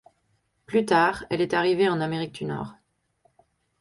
Plus tard, elle est arrivée en Amérique du Nord.